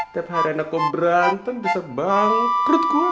tiap hari anakku berantem bisa bangkrut gug